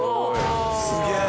すげえ！